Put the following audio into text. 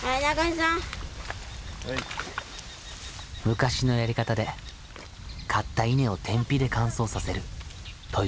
昔のやり方で刈った稲を天日で乾燥させるということだ。